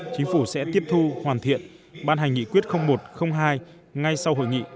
chính phủ sẽ tiếp thu hoàn thiện ban hành nghị quyết một hai ngay sau hội nghị